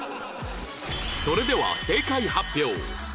それでは正解発表